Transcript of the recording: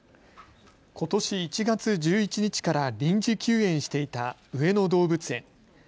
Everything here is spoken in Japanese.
ことし１月１１日から臨時休園していた上野動物園。